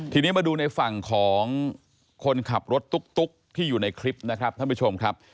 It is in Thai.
ทีนี้มาดูในฝั่งของคนขับรถตุ๊กที่อยู่ในคลิปนะครับท่านผู้ชมครับ